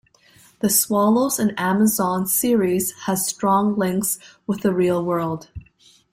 The "Swallows and Amazons" series has strong links with the real world.